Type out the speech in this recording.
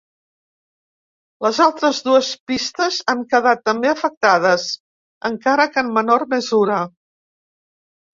Les altres dues pistes han quedat també afectades, encara que en menor mesura.